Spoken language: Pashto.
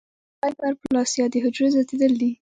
د هایپرپلاسیا د حجرو زیاتېدل دي.